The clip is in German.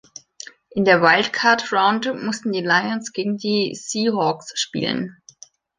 In der Wildcard-Round mussten die Lions gegen die Seahawks spielen.